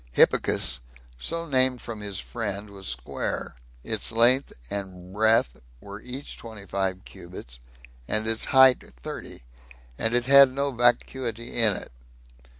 Hippicus, so named from his friend, was square; its length and breadth were each twenty five cubits, and its height thirty, and it had no vacuity in it.